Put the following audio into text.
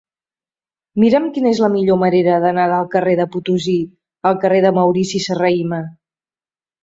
Mira'm quina és la millor manera d'anar del carrer de Potosí al carrer de Maurici Serrahima.